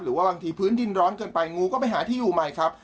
บางทีพื้นดินร้อนเกินไปงูก็ไปหาที่อยู่ใหม่ครับ